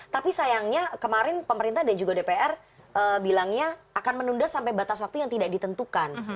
tapi sayangnya kemarin pemerintah dan juga dpr bilangnya akan menunda sampai batas waktu yang tidak ditentukan